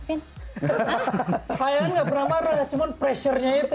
kayaknya gak pernah marah cuman pressure nya itu